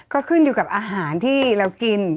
ก็ขึ้นอยู่กับอาหารที่เรากิน